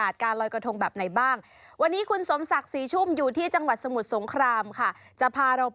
สวัสดีครับ